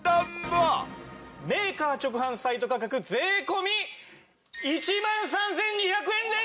メーカー直販サイト価格税込１万３２００円です！